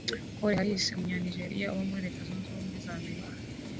Corey Harris umunya Nigeria uba muri Leta Zunze Ubumwe z’Amerika